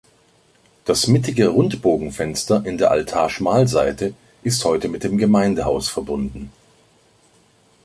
Das mittige Rundbogenfenster in der Altar-Schmalseite ist heute mit dem Gemeindehaus verbunden.